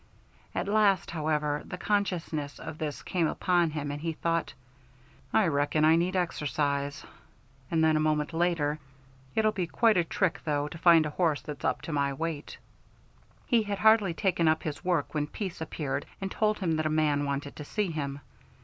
At last, however, the consciousness of this came upon him and he thought, "I reckon I need exercise," and then a moment later, "It'll be quite a trick, though, to find a horse that's up to my weight." He had hardly taken up his work when Pease appeared and told him that a man wanted to see him.